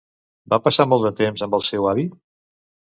Va passar molt de temps amb el seu avi?